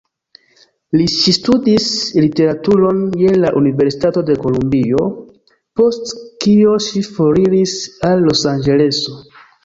Ŝi studis literaturon je la Universitato de Kolumbio, post kio ŝi foriris al Losanĝeleso.